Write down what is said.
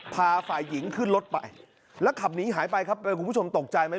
ฝ่ายหญิงขึ้นรถไปแล้วขับหนีหายไปครับคุณผู้ชมตกใจไหม